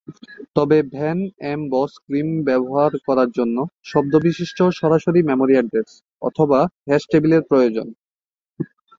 তবে van Emde Boas ক্রিম ব্যবহার করার জন্য শব্দ বিশিষ্ট সরাসরি মেমোরি অ্যাড্রেস অথবা হ্যাশ টেবিল এর প্রয়োজন।